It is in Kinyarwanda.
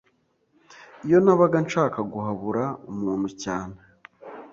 Iyo nabaga nshaka guhabura umuntu cyane